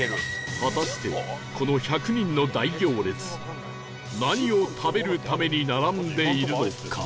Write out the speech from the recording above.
果たしてこの１００人の大行列何を食べるために並んでいるのか？